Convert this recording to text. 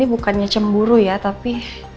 bukannya cemburu ya tapi